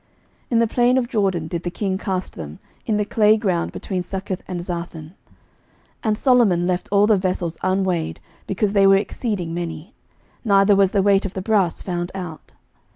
11:007:046 In the plain of Jordan did the king cast them, in the clay ground between Succoth and Zarthan. 11:007:047 And Solomon left all the vessels unweighed, because they were exceeding many: neither was the weight of the brass found out.